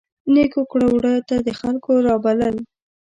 نیکو کړو وړو ته د خلکو رابلل.